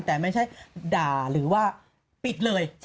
แต่ไม่ใช่ด่าหรือว่าปิดเลย